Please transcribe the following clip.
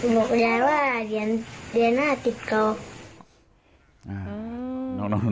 บอกยายว่าเหรียญน่าจะติดคอ